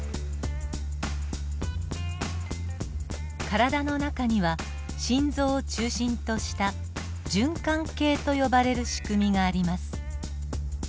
体の中には心臓を中心とした循環系と呼ばれる仕組みがあります。